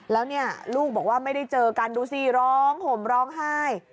แล้วเนี่ยลูกบอกว่าไม่ได้เจอกันดูสิร้องห่มร้องไห้